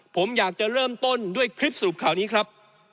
ผมอยากจะเริ่มต้นด้วยคลิปสรุปข่าวนี้ครับ